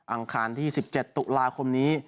อังคารที่๑๗ตุลาคมนี้